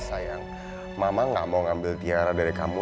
sayang mama gak mau ngambil tiara dari kamu